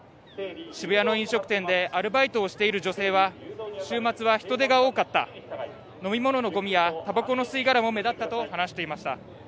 渋谷の飲食店でアルバイトをしている女性は、週末は人出が多かった飲み物のごみやたばこの吸い殻も目立ったと話していました。